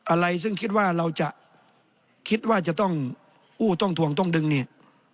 อะไรซึ่งคิดว่าเราจะคิดว่าจะต้องกู้ต้องถวงต้องดึงเนี่ย